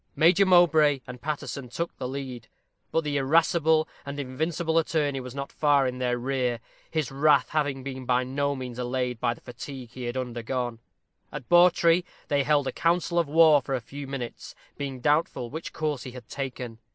Major Mowbray and Paterson took the lead, but the irascible and invincible attorney was not far in their rear, his wrath having been by no means allayed by the fatigue he had undergone. At Bawtrey they held a council of war for a few minutes, being doubtful which course he had taken.